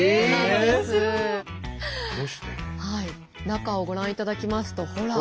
中をご覧いただきますとほら。